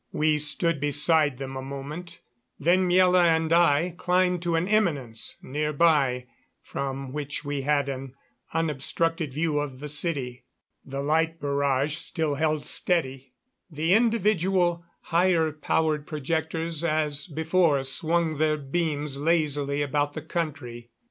We stood beside them a moment, then Miela and I climbed to an eminence near by from which we had an unobstructed view of the city. The light barrage still held steady. The individual, higher powered projectors as before swung their beams lazily about the country.